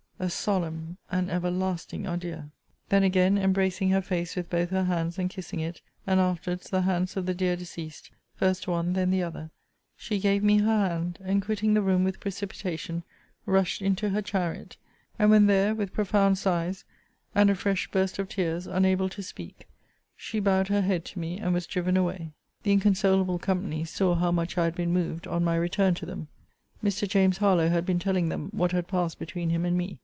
a solemn, an everlasting adieu! Then again embracing her face with both her hands, and kissing it, and afterwards the hands of the dear deceased, first one, then the other, she gave me her hand, and quitting the room with precipitation, rushed into her chariot; and, when there, with profound sight, and a fresh burst of tears, unable to speak, she bowed her head to me, and was driven away. The inconsolable company saw how much I had been moved on my return to them. Mr. James Harlowe had been telling them what had passed between him and me.